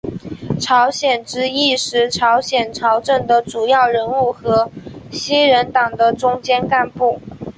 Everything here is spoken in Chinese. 朝鲜之役时朝鲜朝政的主要人物和西人党的中坚干部。